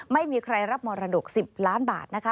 ไม่มีใครรับมรดก๑๐ล้านบาทนะคะ